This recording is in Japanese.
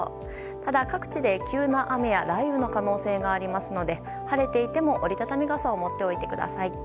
ただ、各地で急な雨や雷雨の可能性がありますので晴れていても、折り畳み傘を持っておいてください。